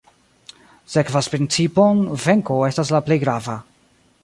Sekvas principon "Venko estas la plej grava".